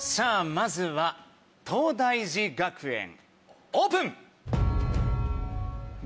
まずは東大寺学園オープン！